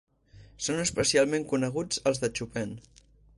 Són especialment coneguts els de Chopin.